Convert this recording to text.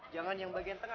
jangan yang bagian tengah